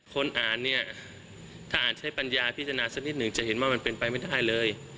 คนอ่านเนี่ยถ้าอ่านใช้ปัญญาพิจารณาสักนิดหนึ่งจะเห็นว่ามันเป็นไปไม่ได้เลย